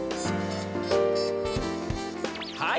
はい。